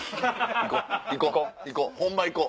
行こう！